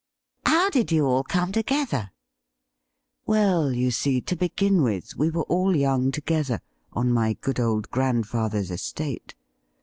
' How did you all come together i" 'Well, you see, to begin with, we were all young together, on my good old grandfather's estate.